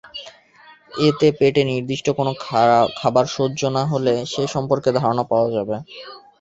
এতে পেটে নির্দিষ্ট কোনো খাবার সহ্য না হলে সেই সম্পর্কে ধারণা পাওয়া যাবে।